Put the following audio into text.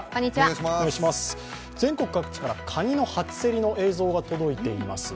全国各地からカニの初競りの映像が届いています。